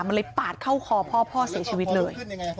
มันเลยปาดเข้าคอพ่อพ่อเสียชีวิตเลย